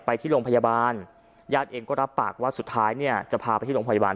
ไปที่โรงพยาบาลญาติเองก็รับปากว่าสุดท้ายเนี่ยจะพาไปที่โรงพยาบาล